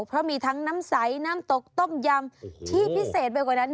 เพราะมีทั้งน้ำใสน้ำตกต้มยำที่พิเศษไปกว่านั้น